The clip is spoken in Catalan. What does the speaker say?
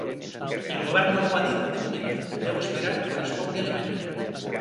I el govern no ho ha dit de moment, deu esperar que respongui Alemanya.